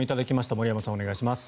森山さん、お願いします。